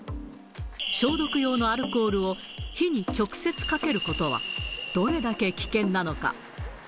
消毒用のアルコールを火に直接かけることは、どれだけ危険なのか。